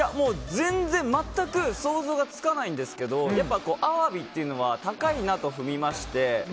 全然、全く想像がつかないんですけどやっぱり、アワビっていうのは高いなと踏みまして。